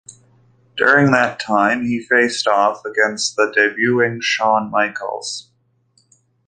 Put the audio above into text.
During that time he faced off against the debuting Shawn Michaels.